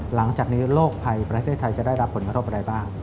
หลังจากนี้โรคภัยประเทศไทยจะได้รับผลกระทบอะไรบ้าง